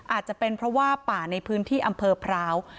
อาจจะเป็นเพราะว่าป่าในพื้นที่อำเภอพร้าว